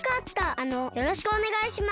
あのよろしくおねがいします。